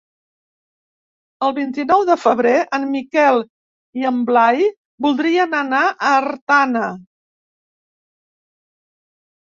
El vint-i-nou de febrer en Miquel i en Blai voldrien anar a Artana.